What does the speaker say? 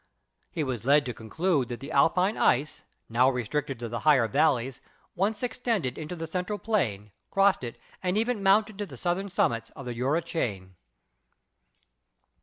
He was led to conclude that the Alpine ice, now re stricted to the higher valleys, once extended into the cen tral plain, crossed it, and even mounted to the southern summits of the Jura chain.